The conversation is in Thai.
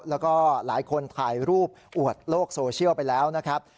แล้วก็หลายคนถ่ายรูปอวดโลกโซเชียลไปแล้วนะครับ